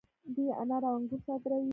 دوی انار او انګور صادروي.